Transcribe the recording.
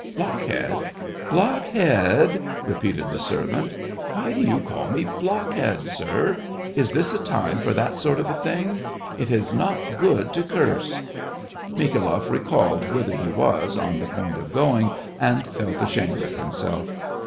" Blockhead ? Blockhead ?" repeated the ser vant. " Why do you call me a blockhead, sir ? Is this a time for that sort of thing ? It is not good to curse." Mikhailoff recalled whither he was on the point of going, and felt ashamed of himself.